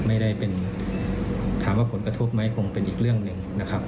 ไม่ได้เป็นถามว่าผลกระทบไหมคงเป็นอีกเรื่องหนึ่งนะครับ